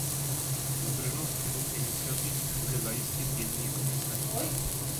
Soudržnost obou iniciativ může zajistit jedině Komise.